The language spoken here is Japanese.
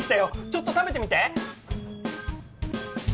ちょっと食べてみて。